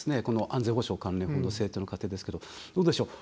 安全保障関連法の制定の過程ですけどどうでしょう。